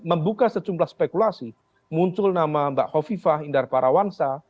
membuka sejumlah spekulasi muncul nama mbak hovifah indar parawansa